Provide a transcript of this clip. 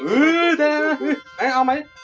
อื้อได้เอาใหม่